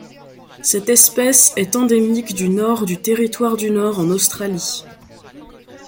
Cette espèce est endémique du Nord du Territoire du Nord en Australie.